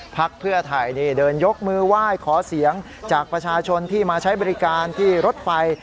พักเพื่อไทยนี่เดินยกมือไหว้ขอเสียงจากประชาชนที่มาใช้บริการที่รถไฟ